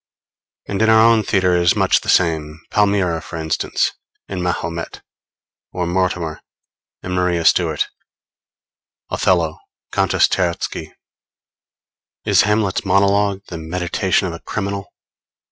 And in our own theatre it is much the same Palmira, for instance, in Mahomet, or Mortimer in Maria Stuart, Othello, Countess Terzky. Is Hamlet's monologue the meditation of a criminal?